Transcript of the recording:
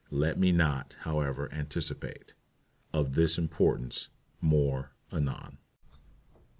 Let me not, however, anticipate. Of this importance more anon.